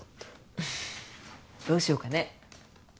ふふっどうしようかね。